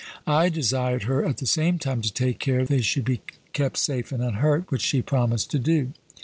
I desired her at the same time to take care they should be kept safe and unhurt, which she promised to do.